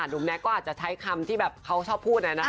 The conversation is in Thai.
ดุมแน็กก็อาจจะใช้คำที่แบบเขาชอบพูดน่ะนะคะ